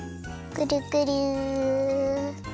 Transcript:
くるくる。